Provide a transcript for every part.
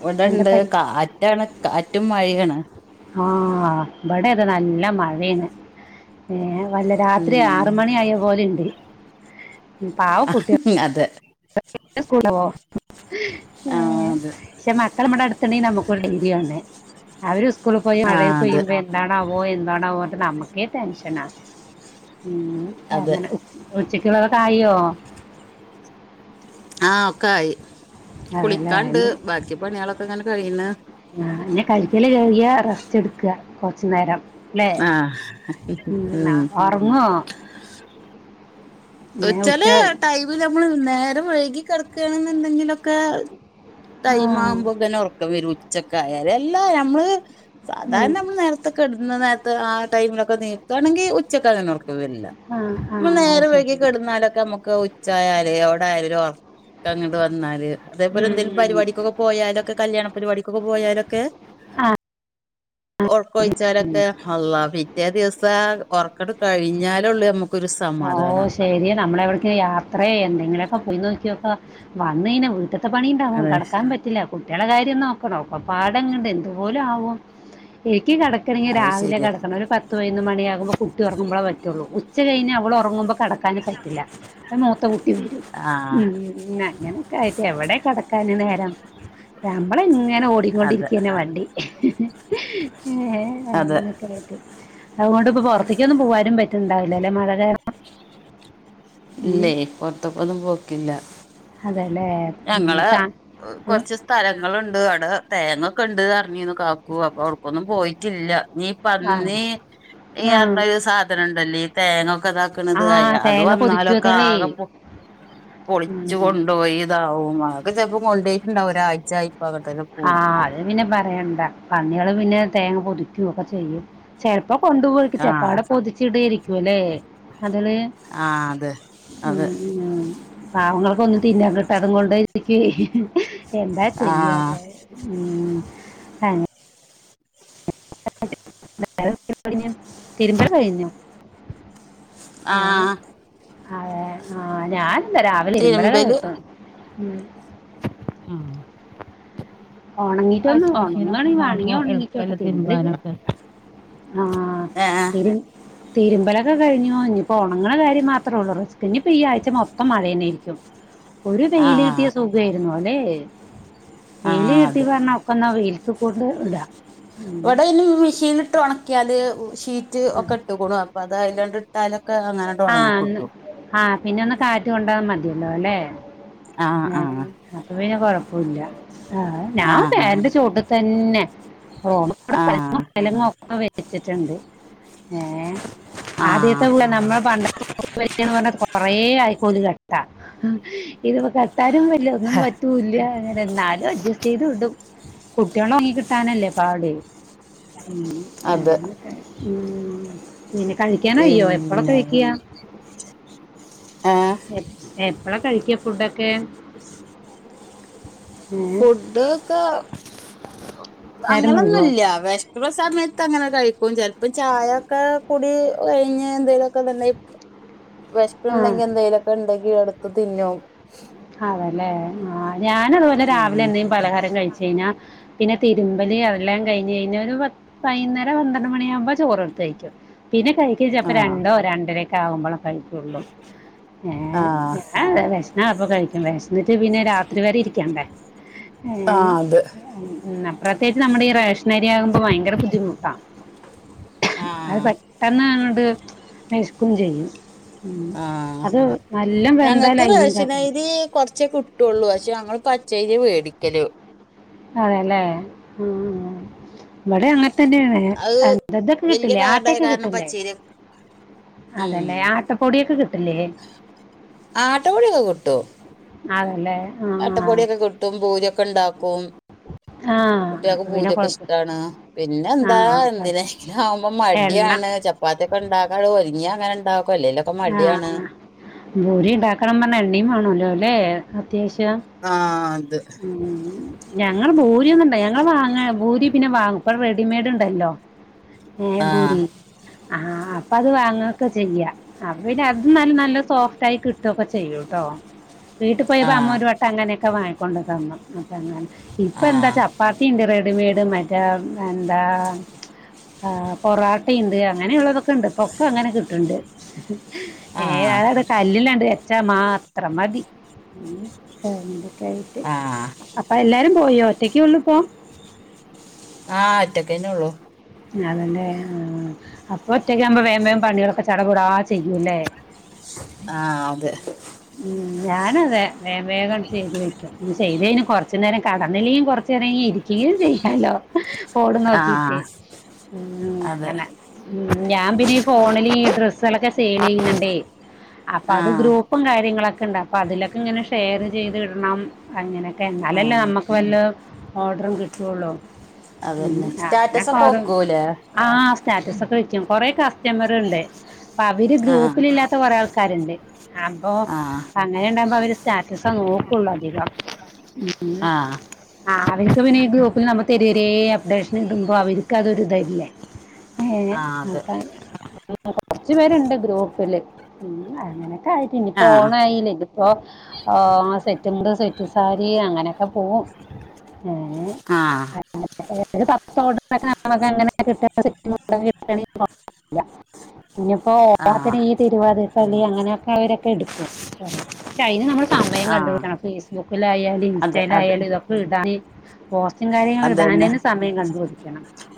ഇവിടെ എന്താ ഇണ്ട് പരി കാറ്റാണ് കാറ്റുംമഴിയാണ് ആഹ് ഇബടെ താ നല്ല മഴാണ് ഏഹ് വല്ല രാത്രി ഉം ആറ് മണി ആയ പോലെണ്ട് പാവം കുട്ട്യ ഉം അതെ. കുട്ടോ ആ ഏഹ് അതെ പക്ഷെ മക്കളമ്മുടെ അടുതുണ്ണ്ടെണ്ടെങ്കി നമ്മ്ക്കൊരു [unintelligible] യാണ് അവര് സ്കൂളിൽ പോയി ആ മഴേ അതെ പെയുമ്പ എന്താണാവോ എന്താണാവോട്ടറഞ്ഞിട്ട് നമുക്കേ ടെൻഷനാ ഉം അതെ അങ്ങനെ ഉച്ചക്ക്ള്ളതൊക്കെ ആയോ? ആഹ് ഒക്കെ ആയി. അതല്ലേ കുളിക്കാണ്ട് ഇനി- ബാക്കി പണികളൊക്കെ ഇങ്ങനെ കഴിയ്ണ് ആഹ് ന്നെ കാഴ്ത്തില് കേറിയ റസ്റ്റ്ട്ക്ക കൊറച്ച് നേരം ല്ലെ ആ ഉം ഒറങ്ങോ ഉ ചെലേ ടൈമിൽ നമ്മള് നേരം വൈകി കെട്ക്കാണ്ന്ന്ണ്ടെങ്കിലൊക്കെ, ആ ടൈമാവുമ്പ തന്നെ ഒർക്കം വെരും ഉച്ചെക്കായാല് എല്ലാ ഞമ്മള് ഉം. സാധാരണ നമ്മൾ ന്നേരത്തെകട്ന്ന് നേരത്തെ ആ ടൈമിലൊക്കെ നിക്കാണെങ്കിൽ ഉച്ചക്കങ്ങനെ ഉറക്ക വെര്ലാ. ആഹ് ആഹ് അയ്ശരി. കെട്ന്നാലൊക്കെ അമ്മക്ക് ഉച്ചായാലേ ഔടായാലും ഒരാെർ ക്ക ങ്ങട്ട് വന്നാല് ഉം അതേപോലെന്തെലും ഉം പരിപാടിക്കൊക്കെപോ പോയാലോക്കെ കല്യാണ പരിപാടിക്കൊക്കെ പോയാലൊക്കെ. ആ ഒർക്കൊഴിച്ചാലൊക്കെ ഹള്ളാ പിറ്റേ ദിവസ ആ ഒർക്കട്ട്കഴിഞ്ഞാലൊള്ളു നമ്മക്ക്. ആവൂ ശെരിയാണ് നമ്മളെ എവിടക്ക് യാ ത്രേ എന്തെങ്കിലൊക്കെ പോയി നോക്ക്യോക്കാ വന്നഴിഞ്ഞ വീട്ട്ത്തെ പണിണ്ടാവും അതെ കടക്കാൻ പറ്റില്ല. കുട്ടിയാളെ കാര്യം നോക്കണം ഒക്കപാടങ്ങട് എന്ത്പോലാവും എനിക്കി കട ക്കണങ്കി അത് രാവിലെ ശരിയാ കട്ക്കണം ഒരു പത്ത് പൈനൊന്ന് മണിയാകുമ്പൊ കുട്ടിഒർങ്ങുമ്പളപറ്റൊള്ളൂ ഉച്ചകഴിഞ്ഞ അവളൊർങ്ങുബൊകെ ക്കടക്കാന് പറ്റില്ല അ മൂത്ത കുട്ടി വരും ആഹ് ഉം- ഉം അങ്ങനൊക്കെ ആയിട്ട് എവെടെ കടക്കാന് നേരം നമ്മള ഇങ്ങനെ ഒടി ഒട്ടി അതെ കൊണ്ടിരിക്കനെ വണ്ടി. ഏഹ് അതെ അങ്ങനെയൊക്കെആയിട്ട് അത്ങ്ങൊണ്ട് ഇപ്പൊ പൊറത്തേക്കൊന്നും പോവാനും പറ്റണ്ടാവില്ലല്ലെ മഴകരണം, ഇല്ലേയ് പൊർത്ത്ക്കൊന്നും പോക്കില്ല. അതെലേ ഞങ്ങള് കുറച്ച് സ് സ്ഥലങ്ങള്ണ്ട് അടെ തേങ്ങൊക്കെണ്ട്ർഞ്ഞ്ന്നു കാക്കു അപ്പൊ അവ്ട്ക്കൊന്നും പോയ്റ്റില്ല നീ ആ പന്നി ആ ഇയ്പർഞ്ഞൊരു സാധനണ്ടല്ലൊ ആ തേങ്ങൊക്കെതാക്ക്ണത് അത് തേങ്ങ വന്നാലൊക്കെ പൊതിക്കുവതളേ ആകെ പൊളിച്ചു ഉം. കൊണ്ടൊയി ഇതവും അതൊക്കെ ചെല്‌പ്പൊ കൊണ്ടെയ്റ്റ്ണ്ടാവും ഒരാഴ്ച്ചായിപ്പൊങ്ങട്ട ആഹ് അത് പിന്നെ പറയണ്ട പന്നികള് പിന്നെ തേങ്ങ പൊതിക്ക്‌യും ഒക്കെ ചെയ്യും ചെലപ്പോ കൊണ്ടുപോയി ആഹ് ചപ്പാടെ പൊതിച്ച്ടെരിക്കുലെ അതില് തെ അതെ ഉം, ഉം. പാവങ്ങൾക്കൊന്നും തിന്നാൻ കിട്ടാതും കൊണ്ട് ഇരിക് എന്താ ചെയ്യാ ആഹ് ഉം അങ്ങ തിരുമ്പല് കഴിഞ്ഞോ ആഹ് അതെ ആഹ് ഞാനെന്താ രാവിലെ തിരമ്പലണ്ട് തിരുമ്പല് തീർക്കു ഉം ആഹ് ഉണങ്ങിയിട്ടൊന്ന് ഉണങ്ങുകയാണെങ്കിൽ വാഷ്മെഷീനൊക്കെണ്ടാവുമ്പൊ വേണമെങ്കിൽ എളുപ്പല്ലെ തിരുമ്പാനൊക്കെ ആഹ് ഏഹ് തിരു തിരുമ്പലൊക്കെ കഴിഞ്ഞു ഇഞ്ഞിപ്പൊ ഒണങ്ങണകാര്യംമാത്രേുള്ളൂ റിസ്ക്ക് ഇന്നിപ്പോ ഈ ആഴ്ച്ച മൊത്തം മഴയന്നെയ്രിക്കും ഒരു വെയില് ആഹ് കിട്ടിയ സുഖയ്ര്ന്നുവലെ വെയില് ആഹ് കിട്ടി അത് പറഞ്ഞ ഒഹ് പ്പെന്നാ വെയ്ലത്ത്കൊണ്ട് ഇട ഇവിടയ്ന് മെഷീല്ട്ട് ഒണക്കിയാല് ഷീറ്റ് ഒക്കെട്ട്കുണു അപ്പതായ്ല്ലാണ്ട് ട്ടാലൊക്ക അങ്ങനണ്ട് ഒണങ്ങി കിട്ടും ആഹ് പിന്നൊന്ന് കാറ്റ് കൊണ്ട മതിയല്ലോലെ ആഹ് ഏഹ് ആഹ് അപ്പൊ പിന്നെ കൊഴപ്പൂല്ല ആഹ് ഞാൻ ആഹ് ഫേന്റെ അതെ ചോട്ട് തന്നെ റോമലങ്ങനെ ആഹ് തലങ്ങു വെലങ്ങും വച്ചിട്ടുണ്ട് ഏഹ് ആദ്യത്തെ ആഹ് നമ്മളെ പണ്ടതെ സൊ കൊറെ അയ്ക്കോല് കെട്ട ഇത്പ്പോ കെട്ടാനും വല്ല്യഒന്നും പറ്റൂല്യ എനെന്നാലും അഡ്ജസ്റ്റ് ചെയ്ത് വിടും കുട്ട്യാൾ ഒറ്ങ്ങി കിട്ടാനല്ലേ പാട് ഉഹ് അതെ ഉം പിന്നെ കഴിക്കാനായ്യോ പിന്നെ ഏഹ് എപ്പളാ കഴിക്ക ഫുഡൊക്കെ? ഏ ഫുഡ്‌ക്കെ നേരം മുഴുകുവോ അങ്ങനൊന്നുല്ല്യ വെശ് ചെല സമയത്തങ്ങനെ കഴിക്കും ചെലപ്പം ചായക്കെകുടി കഴിഞ്ഞ് എന്തെലൊക്കെ വെ ആ വെശ്ക്കണ്ടെങ്കി എന്തെലൊക്കെ ണ്ടെങ്കി എടുത്ത് തിന്നും അതെലെ ആഹ് ഞാനതുപോലെ ഉം രാവിലെന്തേ പലഹാരം കഴിച് കയ്ഞ്ഞ പിന്നെ തിരുമ്പല് അതെല്ലാം കഴ്ഞ്ഞയ്ഞ്ഞൊരു പത്ത് വൈന്നേരം പന്ത്രണ്ട് മണിയവ്മ്പോ ചോറ്ട്ത്തഴ്ക്കും പിന്നെ കഴി ഇജപ്പൊ ആഹ് രണ്ടോ രണ്ടരെക്കെ ആകുമ്പളൊ കഴിക്കുള്ളൂ ഏഹ് ആഹ് ഞാ ദെ വെശ്ന്ന പ്പംകഴിക്കും വെശ്ന്ന്ട്ട് പിന്നെ രാത്രി വരെ ഇരിക്കണ്ടേ ആഹ് അത് ഏഹ് പ്രത്യേക്ച്ച് നമ്മടെ ഈ റേഷ നരിയാകുമ്പോ ഭയങ്കര ബുദ്ധിമുട്ടാ അത് ആഹ് പെട്ടെന്ന്ങ്ങട് വെശ്‌ക്കുംചെയ്യും ഉം ആഹ് അത് നല്ലംവെന്താലയ്രീംചട്ട രീ കൊറ്ച്ചേ കിട്ടൊള്ളൂ പക്ഷെയങ്ങള് പച്ചയ്രിയ വേടിക്കല് അതെലേ ഉഹ് ഉഹ് ഇവ്ടെങ്ങനതന്നെയാണ് അത് എഹ് ഇതൊക്കെ വല്യ കിട്ടില്ലേ കാർഡായ ആട്ടെക്കെ കാരണം കിട്ടില്ലേ? പച്ചരി ഉം അതല്ലേ ആട്ടപ്പൊടിയൊക്കെ കിട്ട്ല്ലേ? ആട്ടപ്പൊടിയൊക്കെ അതല്ലേ ആഹ് അട്ടപ്പൊടിയൊക്കെ കിട്ടും പൂരിയൊക്കെണ്ടാക്കും ആ, കുട്ട്യാക്ക് അപ്പൊ പിന്നെ പൂരിയൊക്കെ കുഴപ്പം ഇഷ്ട്ടാണ് ആ പിന്നെന്താ ആ, കൊഴ- എന്തിനെകെ ആവുമ്പോ എണ്ണ മടിയാണ് ചപ്പാത്തിയൊക്കെ ഉണ്ടാകാൻ ഒരുങ്ങിയേ അങ്ങനെ ഉണ്ടാക്കും അല്ലേല് ആഹ് ആഹ് ഭൂരി ഇണ്ടാക്കണം പർണ എണ്ണിംവാണോല്ലെല്ലേ അത്യാവശ്യം ആഹ് അത് ഞങ്ങള് ഭൂരി ഒന്നും ഞങ്ങൾ വാങ്ങാഭൂരി പിന്നെ വാങ്ങുംഇപ്പ റെഡിമേഡ് ഇണ്ടല്ലോ ഹേ ആഹ് ഭൂരി ആഹ് അപ്പൊ അത് വാങ്ങൊക്കെ ചെയ്യാ അപ്പ പിന്ന അത് നല്ല നല്ല സോഫ്റ്റ് ആയി കിട്ടോ ഒക്കെ ചെയ്യൂട്ടോ വീട്ടി പോയപ്പോ അമ്മ ആഹ് ഒരു വട്ടം അങ്ങനെയൊക്കെ വങ്ങിക്കൊണ്ട് തോന്നും അപ്പ അങ്ങനെ ഇപ്പൊ എന്താ ആഹ് ചപ്പാത്തി ഇണ്ട് റെഡിമേഡ് മറ്റേ അ അന്താ ആഹ് പൊറാട്ടയുണ്ട് അങ്ങനെയുള്ളതൊക്കെ ഉണ്ട് പൊക്ക അങ്ങനെ കിട്ടണ്ട് ഏഹ് ആഹ് അതവടക് കല്ലിൽ അണ്ട് വെച്ച മാത്രം മതി ആഹ് അപ്പൊ എല്ലാരും പോയോ ഒറ്റക്കെ ഒള്ളൂപ്പൊ ആഹ് ഒറ്റക്കെന്നെ ഒള്ളു ആണ്ല്ലെ ആഹ് അപ്പൊ ഒറ്റയ്ക്ക് ആവുമ്പോ വേഗം വേഗം പണികളൊക്കെ ചടപടാ ചെയ്യൂല്ലേ ആഹ് അതെ ഉം ഞാന അതെ വേഗ വേഗം ചെയ്ത് വെക്കും ചെയ്ത് കഴിഞ്ഞ കൊറച്ചു നേരം കടന്നിലും കൊറച്ച് പെണങ്ങി ഇരിക്കയും ചെയ്യാലോ ബോഡും നോക്കീറ്റ് ആഹ് ഉം അതെ അങ്ങനെ ഉം ഞാൻ പിന്നെ ഫോണിൽ ഈ ഡ്രസ്സുകളൊക്കെ സെയിലെയ്യുന്നുണ്ടേ അപ്പത് ആഹ് ഗ്രൂപ്പും കാര്യങ്ങളെക്കെ ഇണ്ടാവുംഅപ്പത് ലക്ക ഇങ്ങനെ ഷെയറ് ചെയ്ത് ഇട്ണം അങ്ങനൊക്കെ എന്നാലല്ലേ ആഹ് നമ്മക്ക് വല്ല ഓർഡറും കിട്ടുള്ളു അതന്നെ സ്റ്റാ എന്നാ കൊറും ആഹ് സ്റ്റാറ്റസ് ഒക്കെ വെക്കും കൊറേ കസ്റ്റമർ ഉണ്ടേ അവര് ആഹ് ഗ്രൂപ്പിലില്ലാത്ത കാെറേ ആൾക്കാര്ണ്ട് അപ്പൊ ആഹ് അങ്ങനെ ഉണ്ടാകുമ്പോ അവര് സ്റ്റാറ്റസ നോക്കുള്ളു അധികം ഉം ആഹ് ആഹ് അവര്ക്ക് പിന്നെ ഈ ഗ്രൂപ്പില് നമ്മ തെരെ തെരെ അപ്ഡേഷൻ ഇടുമ്പാെ അവര്ക്ക് അതൊരു ഇതല്ലേ എങ്ങനെ ആഹ് അതെ അപ്പത് [unintelligible] കൊറച്ച് പേര്ണ്ട് ഗ്രൂപ്പില് അങ്ങനെങ്കി അങ്ങനെ ആയിട്ട് ഇനിപ്പ ആഹ് ഓണായിലേ ഇപ്പോ ആഹ് മ് സെറ്റ് മുണ്ട് സെറ്റ് സാരി അങ്ങനെയൊക്കെ പോവും ആഹ് [unintelligible] പിന്ന ഇപ്പൊ ആഹ് ഓണത്തിന് ഈ തിരുവാതിര കളി അങ്ങനെയൊക്കെള്ളവരൊക്കെ എടുക്കും കൊറെ ക്ഷേ അയ്ന് നമ്മള് സമയം ആഹ് കണ്ടുപിടിക്കണം ഫേസ്ബുക്കിലായാലും അതെ അതെ ഇൻസ്റ്റയിലായാലും ഇതൊക്കെ ഇടാന് പോസ്റ്റും കാര്യങ്ങളും ഇടാൻ തന്നെ സമയം കണ്ടു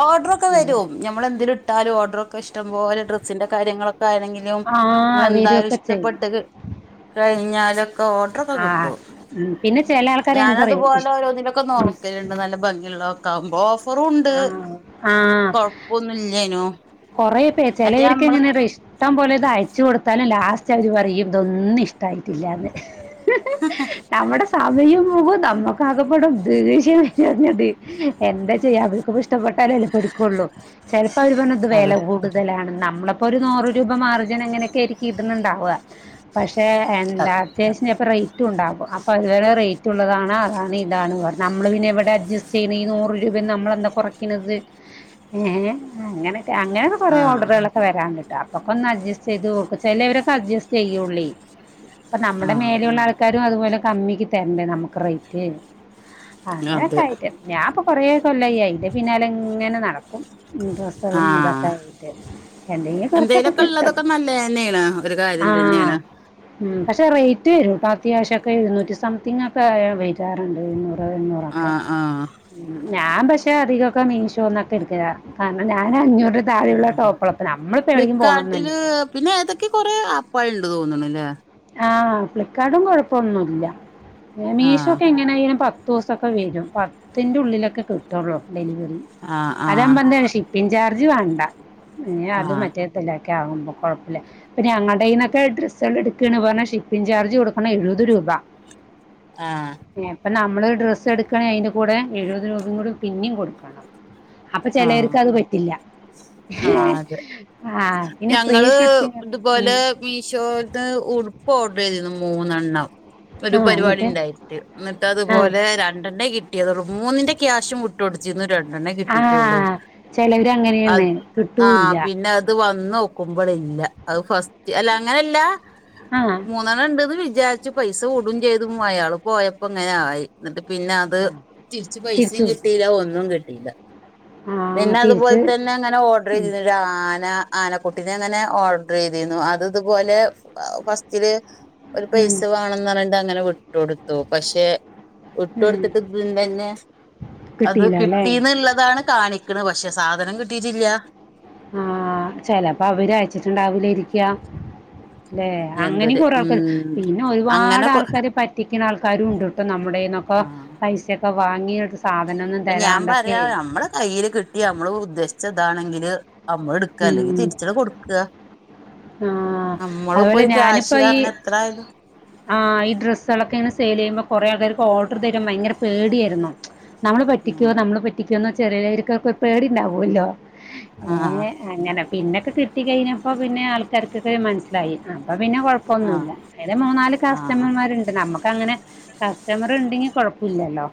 ഓർഡർ ഒക്കെ വരും ഞമ്മള് എന്തേലും ഇട്ടാലും ഓർഡറൊക്കെ ഇഷ്ടം പോലെ ഡ്രസ്സിന്റെ കാര്യങ്ങളൊക്കെ ആയണെങ്കിലും ആ വെൽദായാല് വരുമൊക്കെ ചെയ്യും ഇഷ്ടപ്പെട്ടത് കഴിഞ്ഞാലൊക്കെ ഓ ഡർ ഒക്കെ ആ കിട്ടോ ഉം. പിന്നെ ചില ആൾക്കാരെ എന്തറിയോ ഞാനതുപോലെ ഇഷ്- ഓരോന്നിലൊക്കെ ഉം. നോക്കലിണ്ട് നല്ല ഭംഗിള്ളത് ഒക്കെ ആവുമ്പോ ഓഫറും ഇണ്ട് ആ ആ കൊഴപ്പൊന്നും ഇല്യേനും കൊറേ പേര് ചെലവർക്ക് എങ്ങനെറിയോ ഇഷ് ഇഷ്ടം പോലെ ഇത് അയച്ചു കൊടുത്താലും ലാസ്റ്റ് അവര് പറയും ഇതൊന്നും ഇഷ്ടായിട്ടില്ലന്ന് നമ്മുടെ സമയം പോകും നമ്മക്ക് [unintelligible] എന്താ ചെയ്യാ അവൾക്ക് കൂടെ ഇഷ്ട്ടപ്പെട്ടാലല്ലേ പഠിക്കൊള്ളു ചെൽപ്പാെ അവര് പ അത് വെല അതെ കൂടുതലാണ് നമ്മളപ്പോ ഒരു നൂറ് രൂപ മാർജിൻ അങ്ങനെയൊക്കെ ആയിരിക്കും ഇടുന്നുണ്ടാവുക പക്ഷെ എന്താ അത്യാവശ്യത്തിനു അപ്പം റേറ്റ് ഉണ്ടാകും അപ്പോൾ അതുവരെ റേറ്റ് ഉള്ളതാണ് അതാണ് ഇതാണ് പറഞ്ഞുന്നത് നമ്മൾ പിന്നെ ഇവടെ അഡ്ജസ്റ്റ് ചെയ്യുന്നൈന്ന് നൂറ് രൂപ നമ്മളെന്താ കാെറക്ക്ന്നത് എങ്ങ്നെ എങ്ങ്നെ മിഞ്ഞാന്ന് അങ്ങനൊക്കെ കൊറേ ആഹ് ഓഡറുകളൊക്കെ ഇപ്പൊവെരാന്ട്ടാ അപ്പൊക്കാെന്ന് അഡ്ജസ്റ്റ് ചെയ്തോക്കും ചിലവരൊക്കെ അഡ്ജസ്റ്റ് ചെയ്യാെള്ളേ അപ്പ നമ്മുടെ ആഹ് മേലെയുള്ള ആൾക്കാരും അതുപോലെ കമ്മിക്ക് തരണ്ടേ നമ്മുക്ക് റേറ്റ് അങ്ങനെയൊക്കെ അതെ ആയിട്ട് ഞാൻപ്പൊ കൊറേ കൊല്ലായി അയ്‌ന്റെ പിന്നാലങ്ങനെ നടക്കും സ്ഥലം ഒന്നും ആഹ് താക്കാഞ്ഞിട്ട് എന്തെങ്കിലും കൊറച്ചൊക്കെ എന്തേലൊക്കെ കിട്ടും ഉള്ളതൊക്കെ നല്ലതന്നെയാണ് ഒരു കാര്യം ആഹ് തന്നെയാണ് ഉം പക്ഷേ റേറ്റ് വരും കേട്ടോ അത്യാവശ്യംക്കെ ഇരുന്നൂറ്റി സംതിങ്ങ് ഒക്കെ വയിറ്റാറുണ്ട് ഇരുന്നൂറ് എണ്ണൂറ ആഹ് ആഹ് ഉം ഞാൻ പക്ഷെ അധികൊക്കെ മീഷോന്നൊക്കെ എടുക്കലാ ഞാൻ അഞ്ഞൂറി തായെയുള്ള ടോപ്പള ഫ്ലിപ്പ്കാർട്ടില് പിന്നെ ഏതൊക്കെ കൊറെ ആപ്പാൾ ഉണ്ട് തോന്നണല്ലേ ആഹ് ഫ്ലിപ്കാർട്ടും കൊഴപ്പമൊന്നുല്ല മീഷോ ആഹ് ഒക്കെ എങ്ങാനും പ പത്ത് ദിവസൊക്കെ വരും. പത്തിറെ ഉള്ളിലൊക്കെ കിട്ടുള്ളൂ ഡെലിവറി ആഹ് അതാ ഞാൻ ആഹ് പറഞ്ഞെ പിൻചാർജ് വേണ്ട ഏ അത് ആഹ് മറ്റേ [unintelligible] ആകുമ്പൾ കുഴപ്പമില്ല പിന്ന ഞങ്ങളുടെയ്ന്നൊക്കെ ഡ്രസ്സുകൾ എടുക്കും ക പറഞ്ഞ ഷിപ്പിഗ് ചാർജ് കൊടുക്കണം എഴുപത് രൂപ ആഹ് പ്പ നമ്മള് ഒരു ഡ്രസ്സ് എടുക്കുകണെങ്കിൽ അതിന്റെ കൂടെ എഴുപത് രൂപയും കൂടി പിന്നേ കൊടുക്കണം അപ്പൊ ആഹ് ചിലർക്ക് അത് പറ്റില്ല ആഹ് അതെ ആഹ് പിന്നെ ഫ്രീഷിപ്പിംഗ് ഉം മീഷോത്തെ ഉടുപ്പ് ഓർഡർ ചെയ്തിരുന്നു മൂന്നെണ്ണം ഒരു ആ പരിപാടി എന്നിട്ട് ഉണ്ടായിട്ട് ന്നിട്ട് ആ അതുപോലെ രണ്ട്ന്റെ കിട്ടിയള്ളു മൂന്നിന്റെ ക്യാഷും [unintelligible] രണ്ടെണ്ണേ ആ കിട്ടിട്ടുള്ളൂ ചിലവര് അങ്ങനെയാണ് ആ കിട്ടൂല്ല പിന്നെ ത് വന്ന് നോക്കുമ്പോളില്ല അത് ഫസ്റ്റ് അല്ല അങ്ങനെല്ല ആഹ് മൂന്നെണ് ഉണ്ടന്ന് വിചാരിച്ചു പൈസ വിടും ചെയ്തു അയാൾ പോയപ്പോ ഇങ്ങനെ ആയി എന്നിട്ട് പിന്നെ അത് ആ, തിരിച്ച് തിരിച്ചു പൈസയും കൊടുക്കും കിട്ടിയില്ല ഒന്നും കിട്ടിയില്ല പിന്നെ ആ അതുപോലെ തിരിച്ച് തന്നെ അങ്ങനെ ഓർഡർ ഉം, ചെയ്തതാ ഒരു ആന ആനക്കുട്ടിനെ അങ്ങനെ ഓർഡർ ചെയ്തിരുന്നു അത് ഇതുപോലെ ഫസ്റ്റില് ഒരു ഉം, പൈസ വേണംന്ന് പറഞാണ്ട് അങ്ങനെ വിട്ടുടുത്തു പക്ഷെ വിട്ട് ഉം. കൊടുത്തിട്ട് തന്നെ അത് കിട്ടിയില്ല അല്ലേ കിട്ടീന്നള്ളതാണ് കാണിക്കണ പക്ഷെ സാധനം കിട്ടിട്ടില്ല ആഹ് ചിലപ്പോ അവര് അയച്ചിട്ടുണ്ടാവൂല്ലായിരിക്ക അല്ലെ അങ്ങനെയ എന്തൊരു കുറേ ആൾക്കാർ ഉം പിന്നെ അങ്ങനെ ഒരുപാട് കൊ ആൾക്കാരെ പറ്റ ക്കുന്ന ആൾക്കാരും ഉണ്ട് ട്ടോ നമ്മുടെന്നൊക്കെ പൈസയൊക്കെ വാങ്ങി അപ്പ ഞാൻ പറയാ നമ്മടെ കയ്യിയില് കി ട്ടി നമ്മള് ഉദ്ദേശിച്ച താണെങ്കില് നമ്മള് എടുക്കുക അല്ലെങ്കിൽ തിരിച്ചണ്ട് കൊടുക്ക ആഹ നമ്മളിപ്പോ അതുപോലെ ഒരു ക്യാഷ് ഞാനിപ്പോ ഈ കാരണം എത്ര ആയാലും ആഹ് ഈ ഡ്രസ്സുകളൊക്കെ ഇങ്ങനെ സെയിൽ ചെയ്യുമ്പോ കൊറേ ആൾക്കാർക്ക് ഓർഡർ തരു ഭയങ്കര പേടിയായിരുന്നു. നമ്മള് പറ്റിക്കോ നമ്മള് പറ്റിക്കോ എന്ന ചെറിയര്ക്കൊക്കെ പേടിണ്ടാവല്ലോ ആഹ് ആഹ് അങ്ങനെ പിന്നൊക്കെ കിട്ടി കഴിഞ്ഞപ്പോ പിന്നെ ആൾക്കാർക്കൊക്കെ മനസ്സിലായി അപ്പൊ പിന്നെ പ്പന്നുല്ല ആഹ് എ മൂന്നാല് ആഹ് ആഹ് കസ്റ്റമർമാരുണ്ട് നമ്മക്ക് അങ്ങനെ കസ്റ്റമർ ഉണ്ടെങ്കി കൊഴപ്പില്ലല്ലോ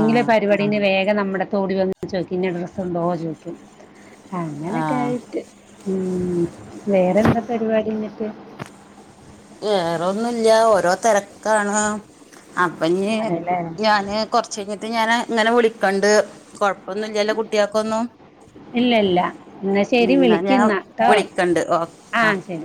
ആഹ് പരിപാടിന് വേഗം നമ്മുടെ അടുതോടി വന്നു ചോദിക്കും ഡ്രസ് ഉണ്ടോ ചോക്കും അങ്ങനൊക്കെ ആഹ് ആയിട്ട് ഉം വേറെന്താ പരിപാടി എന്നിട്ട് വേറെന്നുല്ല ഓരോ തിരക്കാണ് അപ്പൊ ഇഞ് അതെല്ലേ ഞാന് കൊറച്ച് കഴിഞ്ഞിട്ട് ഞാന് ഇങ്ങനെ വിളിക്കണ്ട് പ്പൊന്നും ഇല്ലാലോ കുട്ടിയാക്കൊന്നോ ഇല്ല ഇല്ല എന്നാ ശരി എന്ന ഞാൻ വിളിക്കുന്നാ കേട്ടോ വിളിക്കണ്ട് ഓ ആ ആഹ് ശരി